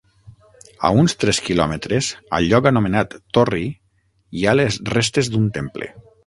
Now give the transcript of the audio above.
A uns tres quilòmetres, al lloc anomenat Torri, hi ha les restes d'un temple.